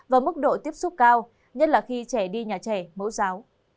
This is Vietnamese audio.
và mức độ tiếp xúc cao nhất là khi trẻ đi nhà trẻ mẫu giáo